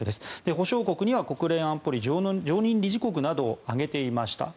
保証国には国連安保理常任理事国などを挙げていました。